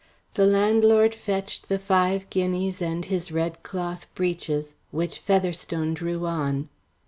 The landlord fetched the five guineas and his red cloth breeches, which Featherstone drew on.